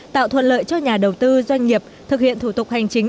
tạo thuận lợi cho nhà đầu tư doanh nghiệp thực hiện thủ tục hành chính